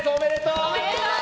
おめでとう！